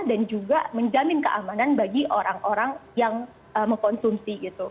dan juga menjamin keamanan bagi orang orang yang mengkonsumsi